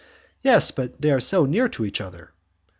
"Yes, but they are so near each other!"